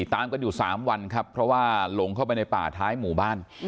ตามกันอยู่๓วันครับเพราะว่าหลงเข้าไปในป่าท้ายหมู่บ้าน